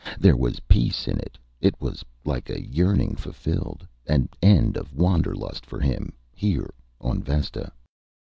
There was peace in it: it was like a yearning fulfilled. An end of wanderlust for him, here on Vesta.